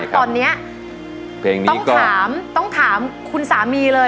ตอนนี้ต้องถามคุณสามีเลย